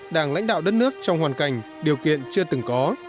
đảng lãnh đạo đất nước trong hoàn cảnh điều kiện chưa từng có